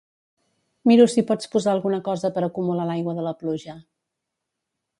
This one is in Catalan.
Miro si pots posar alguna cosa per acumular l'aigua de la pluja.